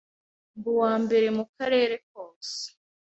mba uwambere mu karere kose